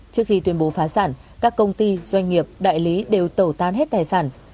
trước khi tuyên bố phá sản các công ty doanh nghiệp đại lý đều tẩu tán hết tài sản